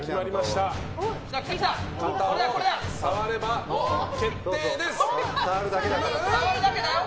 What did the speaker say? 触れば決定です。